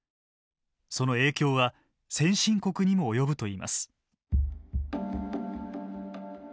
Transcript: その影響は先進国にも及ぶといいます。